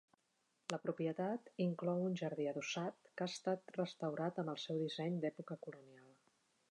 La propietat inclou un jardí adossat que ha estat restaurat amb el seu disseny d'època colonial.